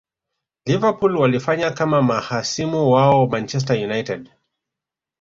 liverpool walifanya kama mahasimu wao manchester united